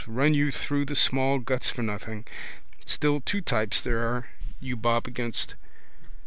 Run you through the small guts for nothing. Still two types there are you bob against.